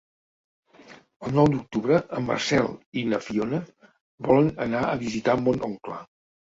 El nou d'octubre en Marcel i na Fiona volen anar a visitar mon oncle.